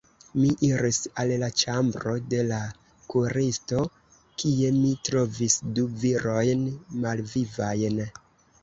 Mi iris al la ĉambro de la kuiristo, kie mi trovis du virojn malvivajn.